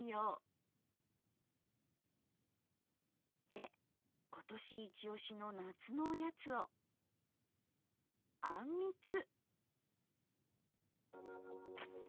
で今年イチオシの夏のおやつを「あんみつ」。